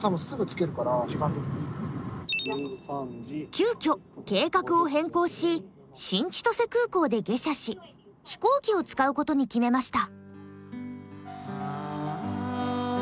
急きょ計画を変更し新千歳空港で下車し飛行機を使うことに決めました。